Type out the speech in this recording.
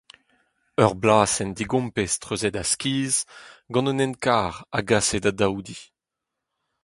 Ur blasenn digompez treuzet a-skizh gant un hent-karr a gase da daou di.